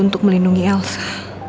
untuk melindungi elsa